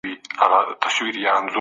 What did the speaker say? صدقات د ټولني دردونه درملوي.